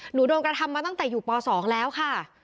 โดนกระทำมาตั้งแต่อยู่ป๒แล้วค่ะ